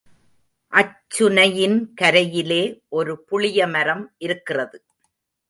அச்சுனையின் கரையிலே ஒரு புளிய மரம் இருக்கிறது.